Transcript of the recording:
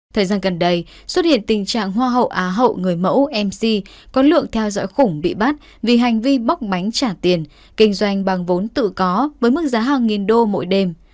thời gian gần đây xuất hiện tình trạng hoa hậu á hậu người mẫu mc có lượng theo dõi khủng bị bắt vì hành vi bóc bánh trả tiền kinh doanh bằng vốn tự có với mức giá hàng nghìn đô mỗi đêm